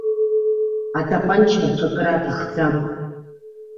Атапанча рҿакра аҭахӡам.